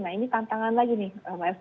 nah ini tantangan lagi nih